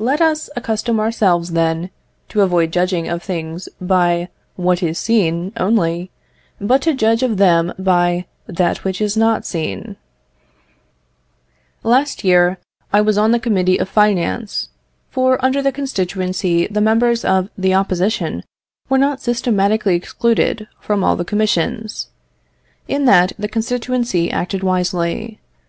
Let us accustom ourselves, then, to avoid judging of things by what is seen only, but to judge of them by that which is not seen. Last year I was on the Committee of Finance, for under the constituency the members of the Opposition were not systematically excluded from all the Commissions: in that the constituency acted wisely.